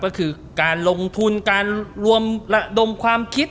ก็คือการลงทุนการรวมระดมความคิด